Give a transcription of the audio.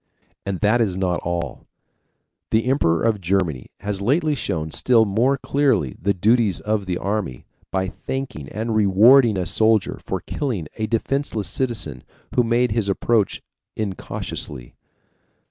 And that is not all: the Emperor of Germany has lately shown still more clearly the duties of the army, by thanking and rewarding a soldier for killing a defenseless citizen who made his approach incautiously.